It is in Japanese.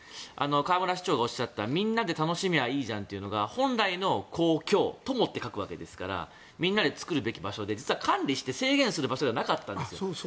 河村市長がおっしゃったみんなで楽しめればいいじゃんというのが本来の公共共って書くわけですからみんなで作る場所で実は管理して制限する場所ではなかったんです。